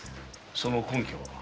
その根拠は？